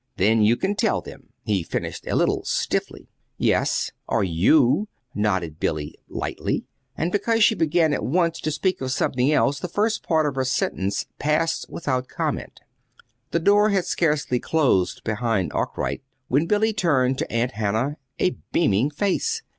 Then you can tell them," he finished a little stiffly. "Yes or you," nodded Billy, lightly. And because she began at once to speak of something else, the first part of her sentence passed without comment. The door had scarcely closed behind Arkwright when Billy turned to Aunt Hannah a beaming face.